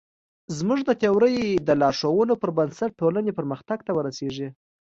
زموږ د تیورۍ د لارښوونو پر بنسټ ټولنې پرمختګ ته ورسېږي.